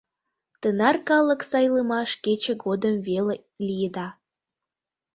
Тынар калык сайлымаш кече годым веле лиеда.